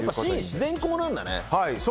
自然光なんだね。